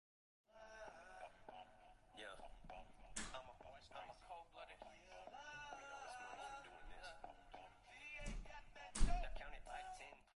Bir qadamda bir tupurib kun ko‘rdim.